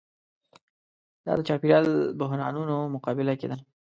دا د چاپېریال بحرانونو مقابله کې ده.